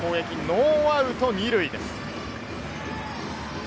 ノーアウト２塁です。